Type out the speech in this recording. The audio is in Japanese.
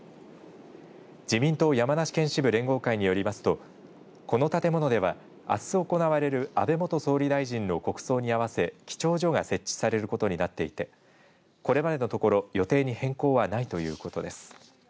自民党山梨県支部連合会によりますと、この建物ではあす行われる安倍元総理大臣の国葬にあわせ記帳所が設置されることになっていてこれまでのところ予定に変更はないということです。